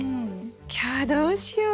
今日はどうしよう？